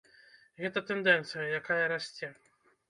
Гэта тэндэнцыя, якая расце.